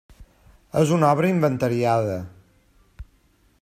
És una obra inventariada.